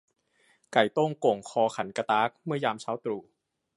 ไก่โต้งโก่งคอขันกะต๊าก เมื่อยามเช้าตรู่